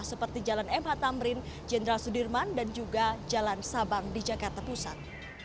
seperti jalan mh tamrin jenderal sudirman dan juga jalan sabang di jakarta pusat